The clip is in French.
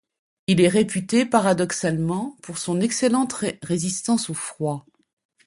Il est réputé paradoxalement pour son excellente résistance au froid.